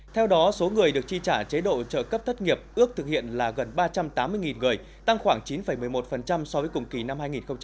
theo đó số người được chi trả chế độ trợ cấp thất nghiệp ước thực hiện là gần ba trăm tám mươi người tăng khoảng chín một mươi một so với cùng kỳ năm hai nghìn một mươi chín